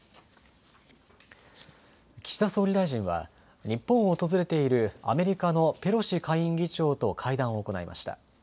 岸田総理大臣は日本を訪れているアメリカのペロシ下院議長と会談を行いました。